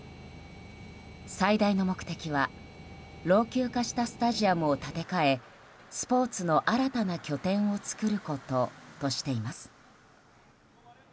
最大の目的は老朽化したスタジアムを建て替えスポーツの新たな拠点を作ることとしています。